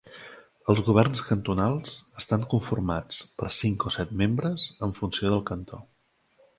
Els Governs cantonals estan conformats per cinc o set membres, en funció del cantó.